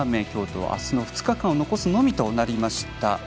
今日とあすの２日間を残すのみとなりました。